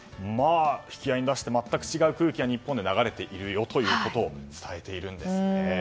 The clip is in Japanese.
引き合いに出して全く違う空気が日本に流れているよということを伝えているんですね。